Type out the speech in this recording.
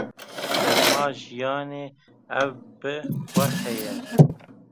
Şerma jiyanê ev bi xwe ye.